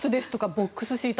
ボックスシート